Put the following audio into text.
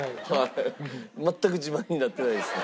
全く自慢になってないですよね。